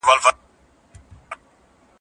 نړيوالي اړیکي د هیوادونو ترمنځ د پوهې تبادله ده.